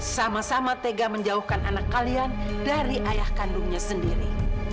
sama sama tega menjauhkan anak kalian dari ayah kandungnya sendiri